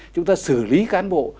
chúng ta xử lý cán bộ